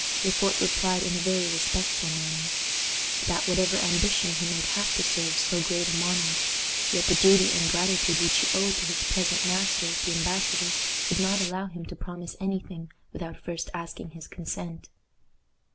Le Fort replied in a very respectful manner, "That, whatever ambition he might have to serve so great a monarch, yet the duty and gratitude which he owed to his present master, the embassador, would not allow him to promise any thing without first asking his consent."